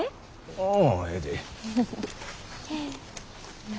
ああええで。